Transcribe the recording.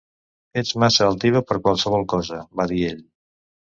"Ets massa altiva per qualsevol cosa, va dir ell.